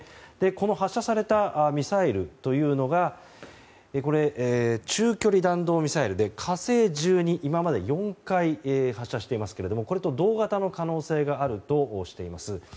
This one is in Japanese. この発射されたミサイルというのが中距離弾道ミサイルで「火星１２」今まで４回発射していますがこれと同型の可能性があるとしています。